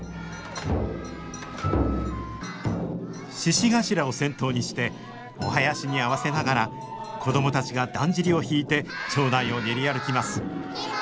獅子頭を先頭にしてお囃子に合わせながら子供たちがだんじりを引いて町内を練り歩きます